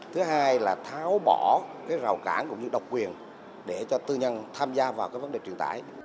thứ hai là tháo bỏ cái rào cản cũng như độc quyền để cho tư nhân tham gia vào cái vấn đề truyền tải